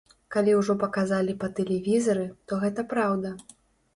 Калі ўжо паказалі па тэлевізары, то гэта праўда!